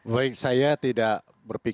baik saya tidak berpikir